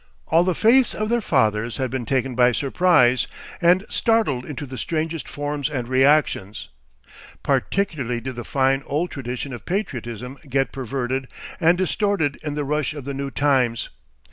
All the faiths of their fathers had been taken by surprise, and startled into the strangest forms and reactions. Particularly did the fine old tradition of patriotism get perverted and distorted in the rush of the new times.